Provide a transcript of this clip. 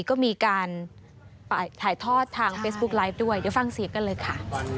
ก็มีการถ่ายทอดทางเฟซบุ๊กไลฟ์ด้วยเดี๋ยวฟังเสียงกันเลยค่ะ